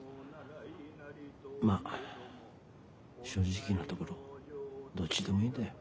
まぁ正直なところどっちでもいいんだよ。